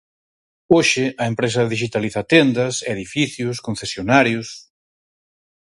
Hoxe, a empresa dixitaliza tendas, edificios, concesionarios...